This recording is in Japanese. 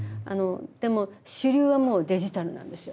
でも主流はもうデジタルなんですよ。